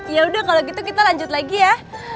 yaudah kalau gitu kita lanjut lagi ya